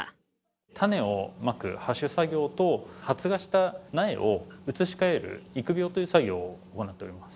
種をまく播種作業と、発芽した苗を移し替える育苗という作業を行っています。